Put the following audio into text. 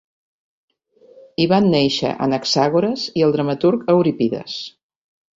Hi van néixer Anaxàgores, i el dramaturg Eurípides.